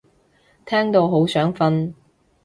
聽到好想瞓